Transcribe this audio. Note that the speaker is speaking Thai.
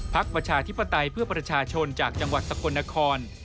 ประชาธิปไตยเพื่อประชาชนจากจังหวัดสกลนคร